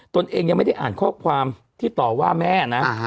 ตัวเองยังไม่ได้อ่านข้อความที่ต่อว่าแม่นะ